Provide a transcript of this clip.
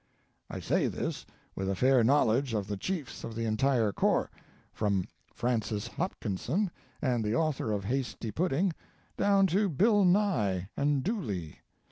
I say this with a fair knowledge of the chiefs of the entire corps from Francis Hopkinson and the author of 'Hasty Pudding' down to Bill Nye and Dooley.